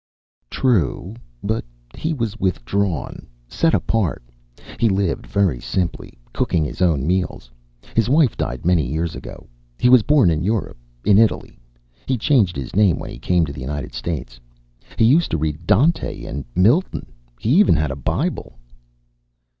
"True. But he was withdrawn, set apart. He lived very simply, cooking his own meals. His wife died many years ago. He was born in Europe, in Italy. He changed his name when he came to the United States. He used to read Dante and Milton. He even had a Bible."